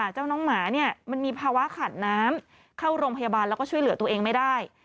เจ้าน้องหมาเนี่ยมันมีภาวะขาดน้ำเข้าโรงพยาบาลแล้วก็ช่วยเหลือตัวเองไม่ได้